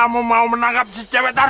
lu mau tanggung jawab